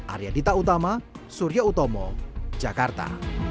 arya dita utama surya utomo jakarta